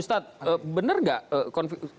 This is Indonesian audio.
saya tidak tahu